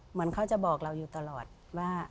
เหมือนเขาจะบอกเราอยู่ตลอดว่า